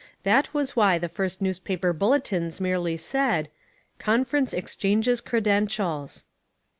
That was why the first newspaper bulletins merely said, "Conference exchanges credentials."